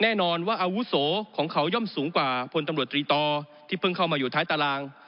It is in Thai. แน่นอนว่าอาวุโสของเขาย่อมสูงกว่าพลตำรวจตรีต่อที่เพิ่งเข้ามาอยู่ท้ายตาราง